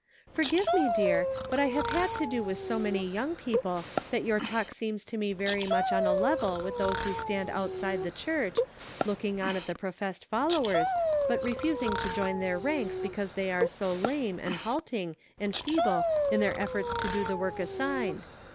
■'' Forgive me, dear, but I have had to do with so many young people, that your talk seems to me very much on a level with those who stand outside the church, looking on at the professed followers, but refusing to join their ranks because they are so lame, and halting, and feeble in their efforts to do the work assigned.